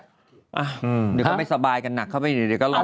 เดี๋ยวเข้าไปสบายกันหนักเข้าไปเหนียวออกเหนา